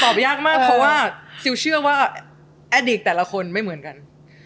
ยากมากเพราะว่าซิลเชื่อว่าแอดดิกแต่ละคนไม่เหมือนกัน